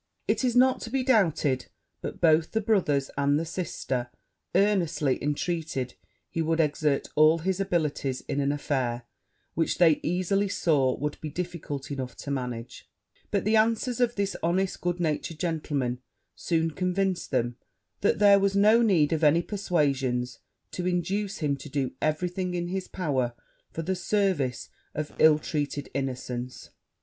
It is not to be doubted but both the brother and the sister earnestly intreated he would exert all his abilities in an affair which they easily saw would be difficult enough to manage; but the answers of this honest, good natured gentleman, soon convinced them that there was no need of any persuasions to induce him to do every thing in his power for the service of ill treated innocence.